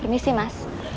ini sih mas